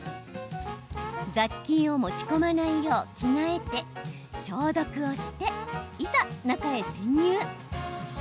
雑菌を持ち込まないよう着替えて、消毒をしていざ中へ潜入。